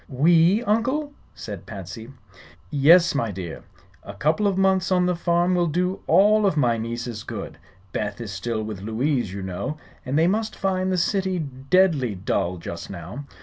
"We, Uncle?" said Patsy. "Yes, my dear. A couple of months on the farm will do all of my nieces good. Beth is still with Louise, you know, and they must find the city deadly dull, just now.